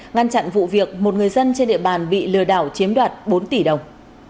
ngăn chặn vụ việc một người dân trên địa bàn bị lừa đảo chiếm đoạt bốn tỷ đồng